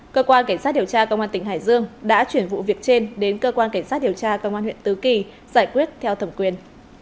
cơ quan cảnh sát điều tra công an tỉnh hải dương đã chuyển vụ việc trên đến cơ quan cảnh sát điều tra công an huyện tứ kỳ giải quyết theo thẩm quyền